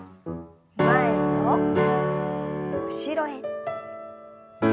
前と後ろへ。